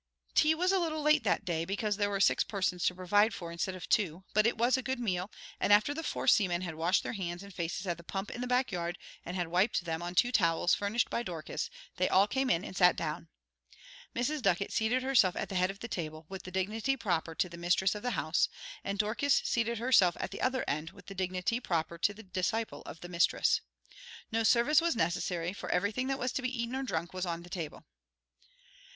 Tea was a little late that day, because there were six persons to provide for instead of two, but it was a good meal, and after the four seamen had washed their hands and faces at the pump in the back yard and had wiped them on two towels furnished by Dorcas, they all came in and sat down. Mrs. Ducket seated herself at the head of the table with the dignity proper to the mistress of the house, and Dorcas seated herself at the other end with the dignity proper to the disciple of the mistress. No service was necessary, for everything that was to be eaten or drunk was on the table.